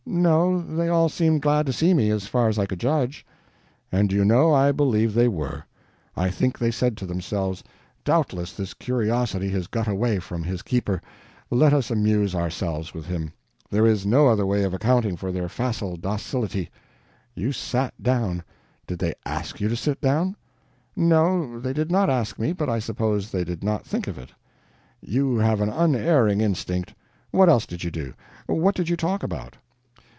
"No, they all seemed glad to see me, as far as I could judge." "And do you know, I believe they were. I think they said to themselves, 'Doubtless this curiosity has got away from his keeper let us amuse ourselves with him.' There is no other way of accounting for their facile docility. You sat down. Did they ASK you to sit down?" "No, they did not ask me, but I suppose they did not think of it." "You have an unerring instinct. What else did you do? What did you talk about?"